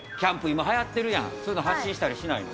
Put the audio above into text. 今、はやってるやん、そういうの発信したりしないの？